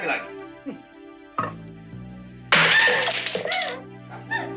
kamu harus berhati hati